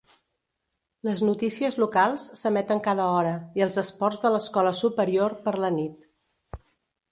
Les notícies locals s'emeten cada hora i els esports de l'escola superior, per la nit.